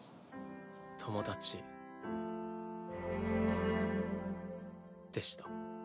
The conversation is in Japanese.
友達。でした。